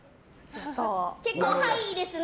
結構ハイですね。